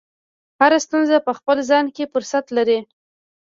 هره ستونزه په خپل ځان کې فرصت لري.